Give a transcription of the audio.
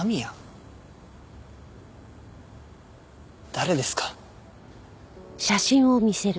誰ですか？